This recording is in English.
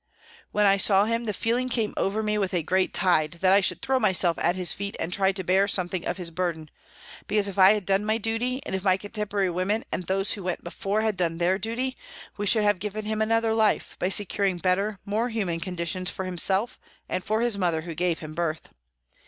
When I saw him, the feeling came over me with a great tide, that I should throw myself at his feet and try to bear something of his burden, because if I had done my duty, and if my contemporary women and those who went before had done their duty, we should have given him another life, by securing better, more human conditions, for himself and for his mother who gave him birth.